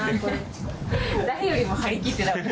誰よりも張り切ってた。